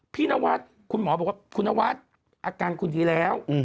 นวัดคุณหมอบอกว่าคุณนวัดอาการคุณดีแล้ว